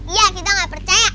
iya kita gak percaya